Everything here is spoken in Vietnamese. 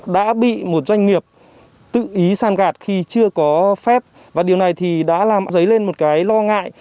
đã bị một doanh nghiệp tự ý san gạt khi chưa có phép và điều này thì đã làm dấy lên một cái lo ngại